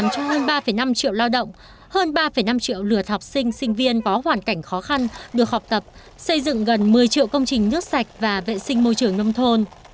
hơn ba năm triệu lao động hơn ba năm triệu lượt học sinh sinh viên có hoàn cảnh khó khăn được học tập xây dựng gần một mươi triệu công trình nước sạch và vệ sinh môi trường nông thôn